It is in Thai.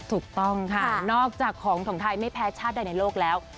ถูกต้องค่ะนอกจากของของไทยไม่แพ้ชาติใดในโลกแล้ว